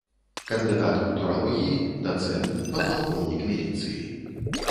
Кандыдат культуралогіі, дацэнт, падпалкоўнік міліцыі.